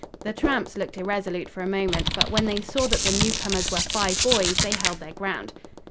The tramps looked irresolute for a moment, but when they saw that the newcomers were five boys they held their ground.